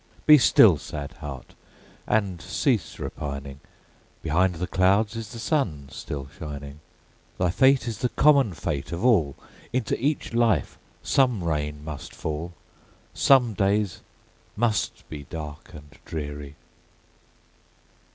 Be still, sad heart! and cease repining; Behind the clouds is the sun still shining; Thy fate is the common fate of all, Into each life some rain must fall, Some days must be dark and dreary.